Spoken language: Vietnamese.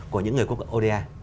của những người cấp oda